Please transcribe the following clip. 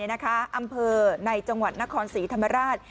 อำเภอในจังหวัดนครศรีธรรมราช